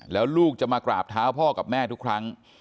แล้วลูกจะมากราบเท้าพ่อกับแม่ทุกครั้ง